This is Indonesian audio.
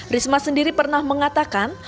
risma sendiri pernah mengatakan